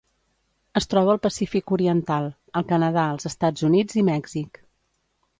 Es troba al Pacífic oriental: el Canadà, els Estats Units i Mèxic.